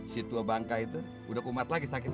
si tua bangka itu udah kumat lagi sakit